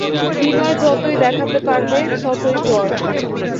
হৃদয় যতই দেখাতে পারবে, ততই জয়।